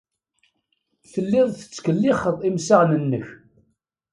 Telliḍ tettkellixeḍ imsaɣen-nnek.